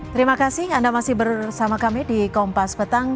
terima kasih anda masih bersama kami di kompas petang